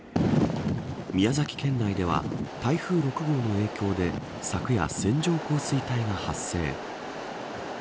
宮崎県内では台風６号の影響で昨夜線状降水帯が発生。